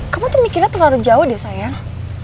kamu tuh mikirnya terlalu jauh deh sayang